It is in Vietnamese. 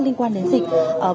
linh quan đến dịch